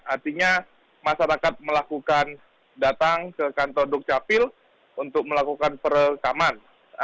artinya masyarakat melakukan datang ke kantor dukcapil untuk melakukan perekaman